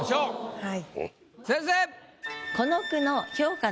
はい。